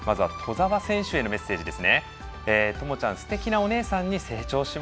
兎澤選手へのメッセージです。